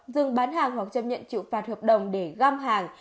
dừng bán hàng hoặc chấp nhận chịu phạt hợp đồng để găm hàng